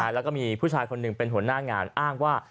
แล้วก็มีผู้ชายคนหนึ่งเป็นหัวหน้างานอ้างว่า